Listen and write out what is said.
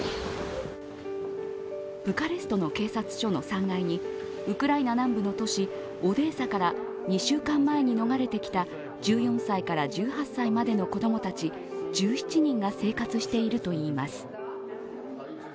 ブカレストの警察署の３階にウクライナ南部の都市オデーサから２週間前に逃れてきた１４歳から１８歳までの子供たち１７人が生活しているといいます。